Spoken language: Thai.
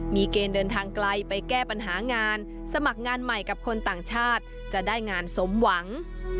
มีเกณฑ์เดินทางไกลไปแก้ปัญหางานสมัครงานใหม่กับคนต่างชาติจะได้งานสมหวัง